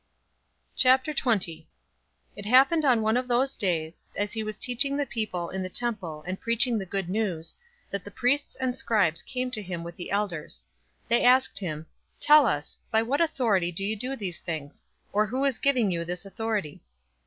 020:001 It happened on one of those days, as he was teaching the people in the temple and preaching the Good News, that the {TR adds "chief"}priests and scribes came to him with the elders. 020:002 They asked him, "Tell us: by what authority do you do these things? Or who is giving you this authority?"